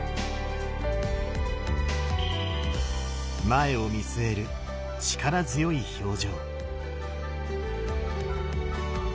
前を見据える力強い表情。